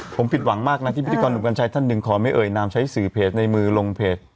ผมผิดหวังมากนะที่พิธีกรหนุ่มกัญชัยท่านหนึ่งขอไม่เอ่ยนามใช้สื่อเพจในมือลงเพจ